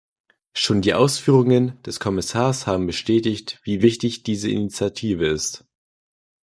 Schon die Ausführungen des Kommissars haben bestätigt, wie wichtig diese Initiative ist.